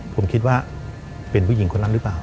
ผมคิดว่าเป็นผู้หญิงคนนั้นหรือเปล่า